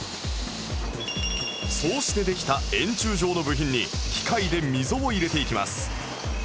そうしてできた円柱状の部品に機械で溝を入れていきます